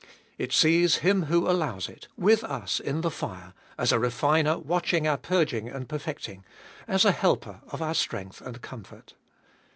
It sees Him who allows it, with us in the fire, as a refiner watching our purging and perfecting, as a helper of our strength and comfort.